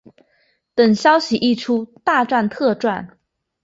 就等消息一出大赚特赚